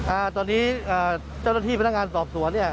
อ่าตอนนี้อ่าเจ้าหน้าที่พนักงานสอบสวนเนี่ย